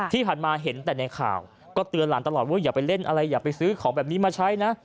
ที่ผ่านมาเห็นแต่ในข่าวก็เตือนหลานตลอดว่าอย่าไปเล่นอะไรอย่าไปซื้อของแบบนี้มาใช้นะ